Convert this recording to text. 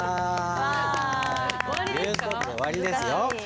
終わりですよ。